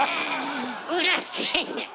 うるせえんだよ！